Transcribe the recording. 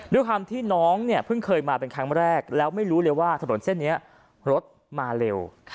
ด้วยความที่น้องเนี่ยเพิ่งเคยมาเป็นครั้งแรกแล้วไม่รู้เลยว่าถนนเส้นนี้รถมาเร็ว